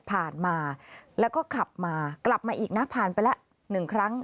ผ่านมาแล้วก็ขับมากลับมาอีกนะผ่านไปแล้ว๑ครั้ง